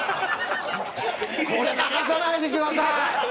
これ流さないでください！